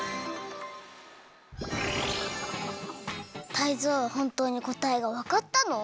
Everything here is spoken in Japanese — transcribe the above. タイゾウほんとうにこたえがわかったの？